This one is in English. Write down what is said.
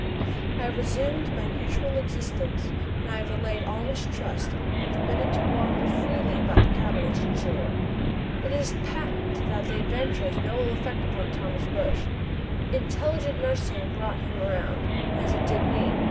I have resumed my usual existence, and having allayed all mistrust, am permitted to wander freely about the cavern, as usual. It is patent that the adventure has had no ill effect upon Thomas Roch. Intelligent nursing brought him around, as it did me.